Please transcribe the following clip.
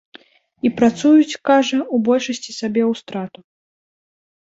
І працуюць, кажа, у большасці сабе ў страту.